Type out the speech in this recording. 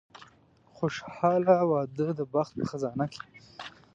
خوشاله واده د بخت په خزانه کې.